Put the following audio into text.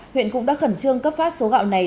huyện cũng đã khẩn trương cấp phát số gạo này